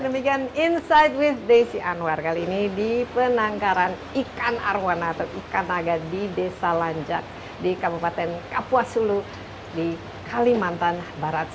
demikian insight with desi anwar kali ini di penangkaran ikan arwana atau ikan naga di desa lanjak di kabupaten kapuasulu di kalimantan barat